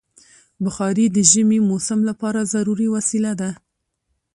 بخاري د ژمي موسم لپاره ضروري وسیله ده.